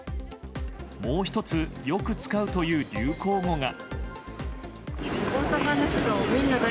もう１つ、よく使うという流行語が。